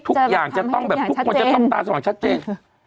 ทุกอย่างจะต้องแบบทุกคนจะต้องตาสว่างชัดเจน